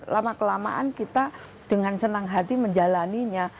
lama kelamaan kita dengan senang hati menjalannya